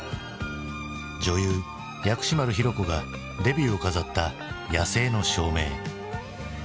女優薬師丸ひろ子がデビューを飾った「野性の証明」。